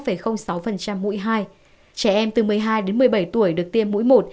trẻ em từ một mươi hai đến một mươi bảy tuổi được tiêm mũi một